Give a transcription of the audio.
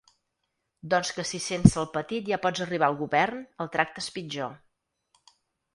Doncs que si sense el petit ja pots arribar al govern el tractes pitjor.